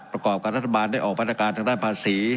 ประกอบกับรัฐบาลได้ออกมาตรการทางด้านภาษี